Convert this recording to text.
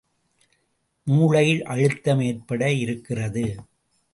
மூளையில் அழுத்தம் ஏற்பட இருக்கிறது!